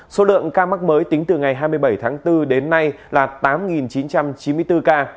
số lượng ca mắc mới tính từ ngày hai mươi bảy tháng bốn đến nay là tám chín trăm chín mươi bốn ca